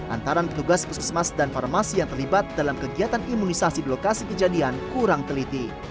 antara petugas puskesmas dan farmasi yang terlibat dalam kegiatan imunisasi di lokasi kejadian kurang teliti